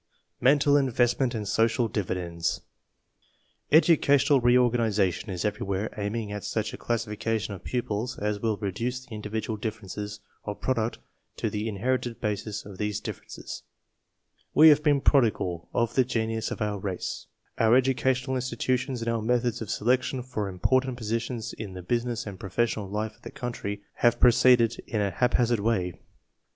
MENTAL INVESTMENT AND SOCIAL DIVIDENDS Educational reorganization is everywhere aiming at such a classification of pupils as will reduce the individ ual differences of product to the inherited bases of these differences. We have been prodigal of the genius of our race. Our educational institutions and our methods of selection for important positions in the business and professional life of the country have proceeded in a hap hazard way.